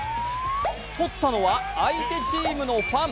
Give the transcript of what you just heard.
取ったのは相手チームのファン。